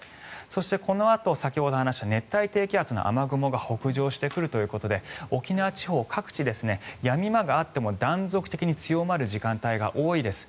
そして、このあと先ほど話した熱帯低気圧の雨雲が北上してくるということで沖縄地方、各地やみ間があっても、断続的に強まる時間帯が多いです。